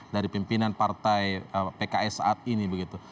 dari pimpinan partai pks saat ini begitu